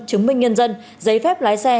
chứng minh nhân dân giấy phép lái xe